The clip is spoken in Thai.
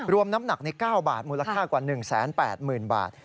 น้ำหนักใน๙บาทมูลค่ากว่า๑๘๐๐๐บาท